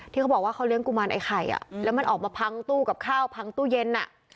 เขาบอกว่าเขาเลี้ยงกุมารไอ้ไข่แล้วมันออกมาพังตู้กับข้าวพังตู้เย็นอ่ะ